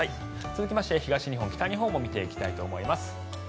続きまして東日本、北日本も見ていきたいと思います。